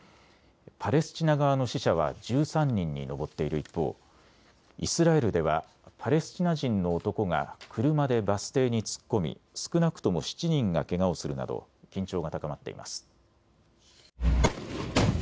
パレスチナ側の死者は１３人に上っている一方、イスラエルではパレスチナ人の男が車でバス停に突っ込み少なくとも７人がけがをするなど緊張が高まっています。